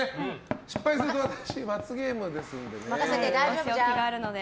失敗すると私罰ゲームですのでね。